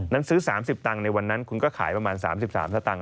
ซื้อ๓๐ตังค์ในวันนั้นคุณก็ขายประมาณ๓๓สตางค